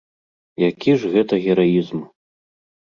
Які ж гэта гераізм.